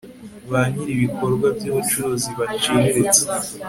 ba nyir ibikorwa by ubucuruzi biciriritse